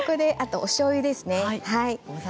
おしょうゆですね。